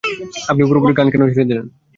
আপনি পুরোপুরি গান কেন ছেড়ে দিলেন?